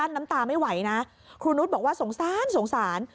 กลั้นน้ำตาไม่ไหวนะครูนุสบอกว่าสงสาร